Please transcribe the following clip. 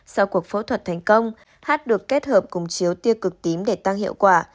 sau cuộc phẫu thuật thành công hát được kết hợp cùng chiếu tiêu cực tím để tăng hiệu quả